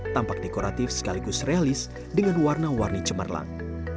tampak dekoratif sekaligus realis dengan warna warni cemerlang